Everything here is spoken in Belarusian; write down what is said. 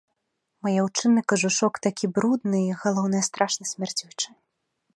Мой аўчынны кажушок такі брудны і, галоўнае, страшна смярдзючы.